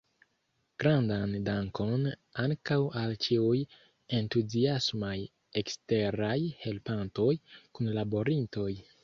Grandan dankon ankaŭ al ĉiuj entuziasmaj eksteraj helpantoj, kunlaborintoj!